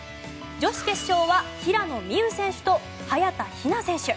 女子決勝は平野美宇選手と早田ひな選手。